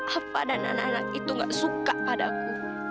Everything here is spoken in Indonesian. apa dan anak anak itu gak suka padaku